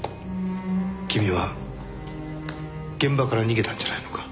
君は現場から逃げたんじゃないのか？